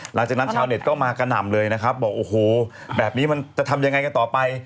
ชาวเน็ตก็มากระหน่ำเลยนะครับบอกโอ้โหแบบนี้มันจะทำยังไงกันต่อไป